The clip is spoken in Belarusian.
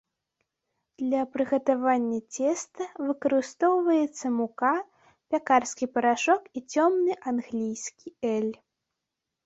Для прыгатавання цеста выкарыстоўваецца мука, пякарскі парашок і цёмны англійскі эль.